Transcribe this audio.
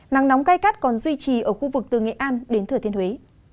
nắng nóng cay gắt còn duy trì ở khu vực từ nghệ an đến thừa thiên huế